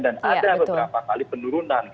dan ada beberapa kali penurunan